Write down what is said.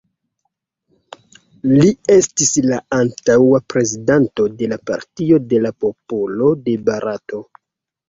Li estis la antaŭa Prezidanto de la Partio de la Popolo de Barato.